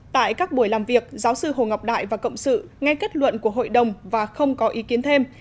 tại các buổi làm việc giáo sư hồ ngọc đại và cộng sự nghe kết luận của hội đồng và không có ý kiến thêm